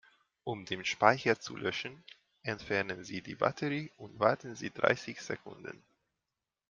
Um den Speicher zu löschen, entfernen Sie die Batterie und warten Sie dreißig Sekunden.